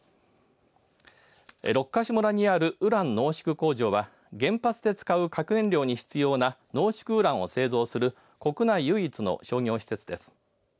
六ヶ所村にあるウラン濃縮工場は原発で使う核燃料に必要な濃縮ウランを製造する国内唯一の製造施設です。